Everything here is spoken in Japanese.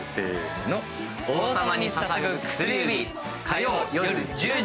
「王様に捧ぐ薬指」の火曜夜１０時。